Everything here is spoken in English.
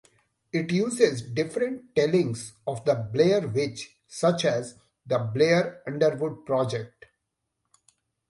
It uses different tellings of the Blair Witch, such as "The Blair Underwood Project".